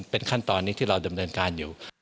เป็นขั้นตอนนี้ที่เราดำเนินการอยู่